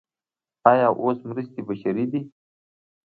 آیا اوس مرستې بشري دي؟